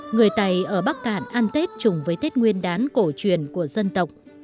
người tài ở bắc cạn ăn tết chùng với tết nguyên đán cổ truyền của dân tộc